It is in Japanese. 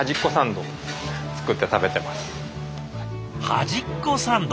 「端っこサンド」